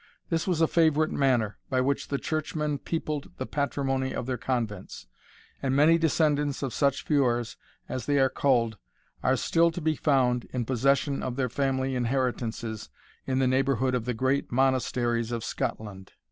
This was a favourite manner, by which the churchmen peopled the patrimony of their convents; and many descendants of such feuars, as they are culled, are still to be found in possession of their family inheritances in the neighbourhood of the great Monasteries of Scotland.